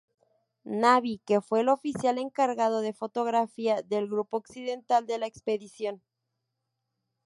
Navy, que fue el oficial encargado de fotografía del Grupo Occidental de la expedición.